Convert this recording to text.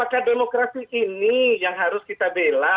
maka demokrasi ini yang harus kita bela